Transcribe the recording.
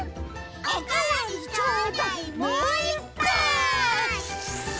おかわりちょうだいもういっぱい！